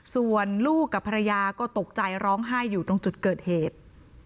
ส่วนลูกกับภรรยาก็ตกใจร้องไห้อยู่ตรงจุดเกิดเหตุ